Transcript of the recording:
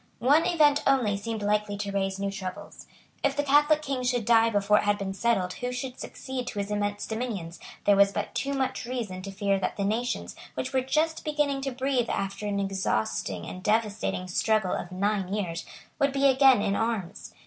One event only seemed likely to raise new troubles. If the Catholic King should die before it had been settled who should succeed to his immense dominions, there was but too much reason to fear that the nations, which were just beginning to breathe after an exhausting and devastating struggle of nine years, would be again in arms.